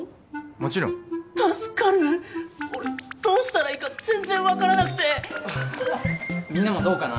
もちろん助かる俺どうしたらいいか全然分からなくてみんなもどうかな？